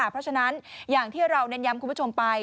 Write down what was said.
เพราะฉะนั้นอย่างที่เราเน้นย้ำคุณผู้ชมไป